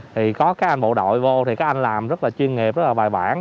thì có các anh bộ đội vô thì các anh làm rất là chuyên nghiệp rất là bài bản